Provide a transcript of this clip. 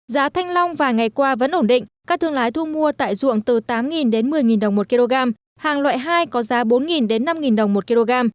giá thanh long vài ngày qua vẫn ổn định các thương lái thu mua tại ruộng từ tám đến một mươi đồng một kg hàng loại hai có giá bốn đến năm đồng một kg